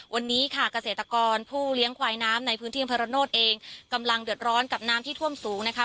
วันนี้ค่ะเกษตรกรผู้เลี้ยงควายน้ำในพื้นที่อำเภอระโนธเองกำลังเดือดร้อนกับน้ำที่ท่วมสูงนะคะ